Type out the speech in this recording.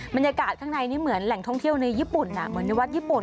บรรยากาศข้างในนี้เหมือนแหล่งท่องเที่ยวในวัดญี่ปุ่น